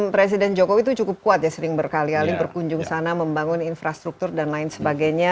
presiden jokowi itu cukup kuat ya sering berkali kali berkunjung sana membangun infrastruktur dan lain sebagainya